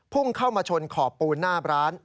พุ่งเข้ามาชนขอบปูนหน้าร้าน